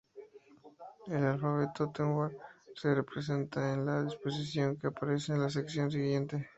El alfabeto tengwar se representa en la disposición que aparece en la sección siguiente.